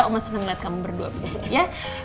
omah senang liat kamu berdua dulu ya